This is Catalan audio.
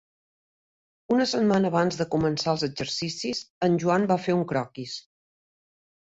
...una setmana abans de començar els exercicis, en Joan va fer un croquis.